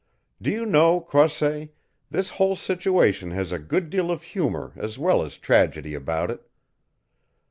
"Do you know, Croisset, this whole situation has a good deal of humor as well as tragedy about it.